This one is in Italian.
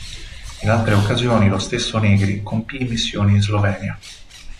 In altre occasioni, lo stesso Negri compì missioni in Slovenia.